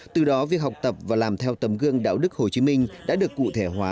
từ đó việc học tập và làm theo tấm gương đạo đức hồ chí minh đã được cụ thể hóa